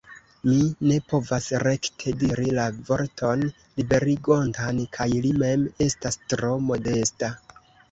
Mi ne povas rekte diri la vorton liberigontan, kaj li mem estas tro modesta!